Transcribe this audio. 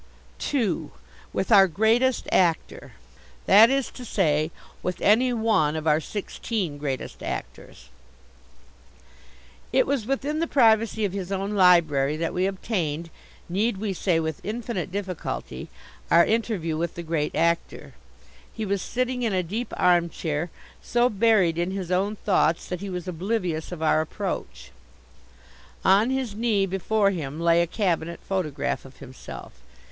II. WITH OUR GREATEST ACTOR That is to say, with Any One of our Sixteen Greatest Actors It was within the privacy of his own library that we obtained need we say with infinite difficulty our interview with the Great Actor. He was sitting in a deep arm chair, so buried in his own thoughts that he was oblivious of our approach. On his knee before him lay a cabinet photograph of himself.